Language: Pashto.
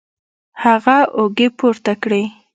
هغه اوږې پورته کړې